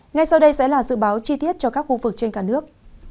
ngay sau đây sẽ là dự báo chi tiết cho các khu vực trên cả nước